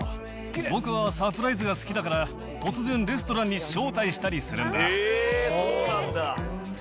僕はサプライズが好きだから、突然、レストランに招待したりするんだ。